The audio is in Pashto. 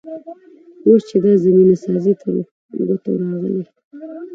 اوس چې دا زمینه سازي تر ګوتو راغلې.